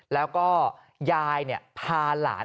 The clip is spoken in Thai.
แล้วก็ยายพาหลาน